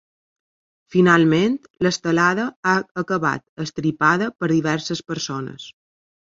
Finalment, l’estelada ha acabat estripada per diverses persones.